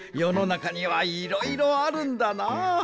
なかにはいろいろあるんだな。